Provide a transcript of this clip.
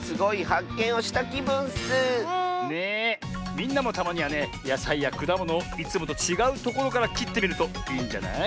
みんなもたまにはねやさいやくだものをいつもとちがうところからきってみるといいんじゃない？